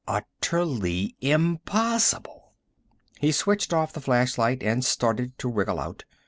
Utterly impossible! He switched off the flashlight and started to wriggle out.